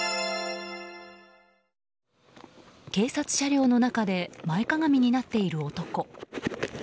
警察車両の中で前かがみになっている男。